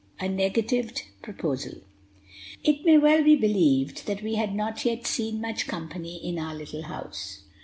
A NEGATIVED PROPOSAL. It may well be believed that we had not yet seen much company in our little house.